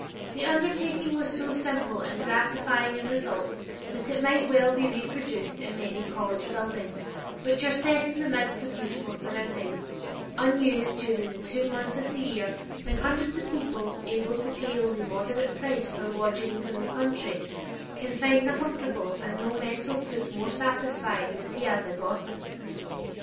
The undertaking was so simple and gratifying in results that it might well be reproduced in many college buildings which are set in the midst of beautiful surroundings, unused during the two months of the year when hundreds of people, able to pay only a moderate price for lodgings in the country, can find nothing comfortable and no mental food more satisfying than piazza gossip.